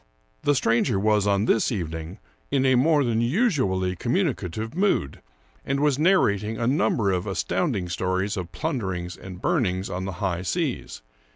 The stranger was, on this evening, in a more than usu ally communicative mood, and was narrating a number of astounding stories of plunderings and burnings on the high seas.